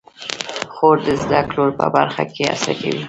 خور د زده کړو په برخه کې هڅه کوي.